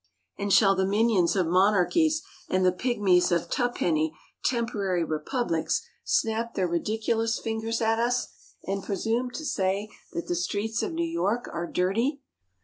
And shall the minions of monarchies and the pigmies of tuppenny temporary republics snap their ridiculous fingers at us, and presume to say that the streets of New York are dirty?